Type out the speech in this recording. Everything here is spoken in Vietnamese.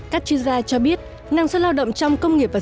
các chuyên gia cho biết năng suất lao động trong công nghiệp và dịch vụ